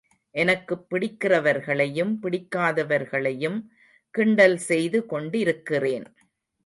எனக்குப் பிடிக்கிறவர்களையும், பிடிக்காதவர்களையும் கிண்டல் செய்து கொண்டிருக்கிறேன்.